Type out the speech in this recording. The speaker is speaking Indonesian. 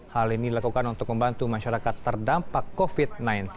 hal ini dilakukan untuk membantu masyarakat terdampak covid sembilan belas